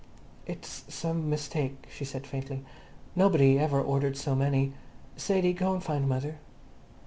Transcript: "It's some mistake," she said faintly. "Nobody ever ordered so many. Sadie, go and find mother."